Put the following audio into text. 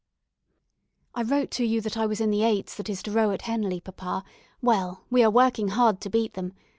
"I wrote to you that I was in the 'eights' that is to row at Henley, papa; well, we are working hard to beat them.